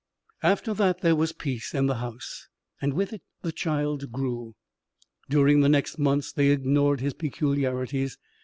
After that there was peace in the house, and with it the child grew. During the next months they ignored his peculiarities.